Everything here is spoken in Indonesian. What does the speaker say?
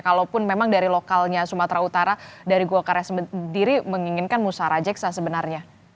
kalaupun memang dari lokalnya sumatera utara dari gua karya sendiri menginginkan musara jeksa sebenarnya